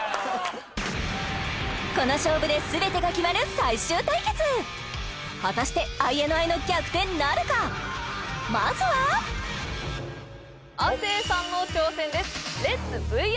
この勝負で全てが決まる最終対決果たしてＩＮＩの逆転なるかまずは亜生さんの挑戦ですレッツＶＲ！